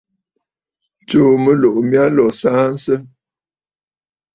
Tsùù mɨlùʼù mya lǒ saansə!